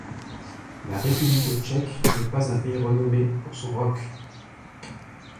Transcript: La République tchèque n'est pas un pays renommé pour son rock.